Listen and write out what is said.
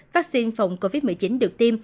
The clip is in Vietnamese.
vaccine phòng covid một mươi chín được tiêm